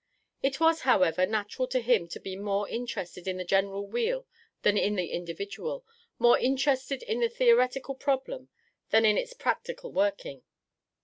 It was, however, natural to him to be more interested in the general weal than in the individual, more interested in a theoretical problem than in its practical working.